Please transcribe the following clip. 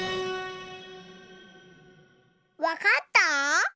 わかった？